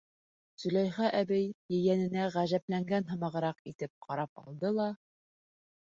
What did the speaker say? Зөләйха әбей, ейәненә ғәжәпләнгән һымағыраҡ итеп ҡарап алды ла: